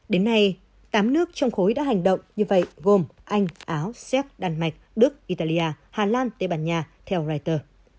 đến nay tám nước trong khối đã hành động như vậy gồm anh áo séc đan mạch đức italia hà lan tây ban nha theo reuters